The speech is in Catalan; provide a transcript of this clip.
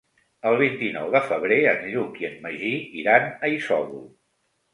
El vint-i-nou de febrer en Lluc i en Magí iran a Isòvol.